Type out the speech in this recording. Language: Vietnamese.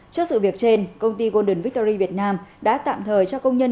trước sự việc trên công ty golden victory việt nam đã tạm thời cho công nhân